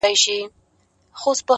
د گل خندا،